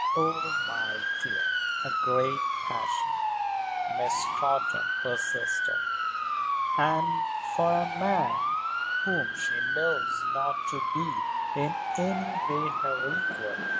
"Oh, my dear!" "A great passion," Miss Scrotton persisted, "and for a man whom she knows not to be in any way her equal.